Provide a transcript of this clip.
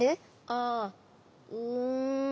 ああうん。